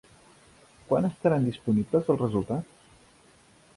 Quan estaran disponibles els resultats?